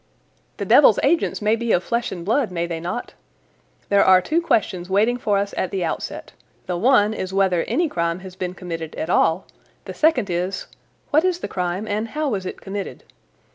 "The devil's agents may be of flesh and blood, may they not? There are two questions waiting for us at the outset. The one is whether any crime has been committed at all; the second is, what is the crime and how was it committed?